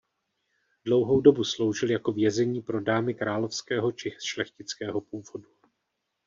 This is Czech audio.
Dlouhou dobu sloužil jako vězení pro dámy královského či šlechtického původu.